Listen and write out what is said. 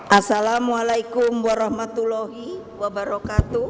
assalamu alaikum warahmatullahi wabarakatuh